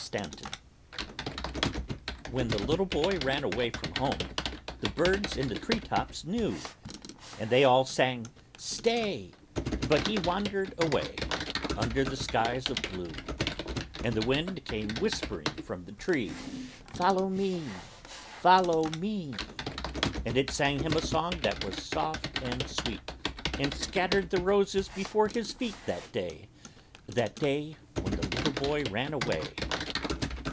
STANTON When the little boy ran away from home The birds in the treetops knew, And they all sang "Stay!" But he wandered away Under the skies of blue. And the Wind came whispering from the tree: "Follow me follow me!" And it sang him a song that was soft and sweet, And scattered the roses before his feet That day that day When the little boy ran away.